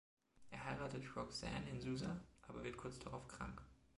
Er heiratet Roxane in Susa, aber wird kurz darauf krank.